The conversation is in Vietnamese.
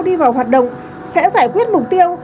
đi vào hoạt động sẽ giải quyết mục tiêu